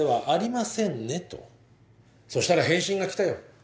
そしたら返信が来たよ。